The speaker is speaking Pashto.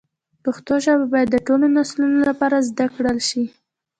پښتو ژبه باید د ټولو نسلونو لپاره زده کړل شي.